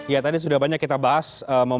ya tadi sudah banyak kita bahas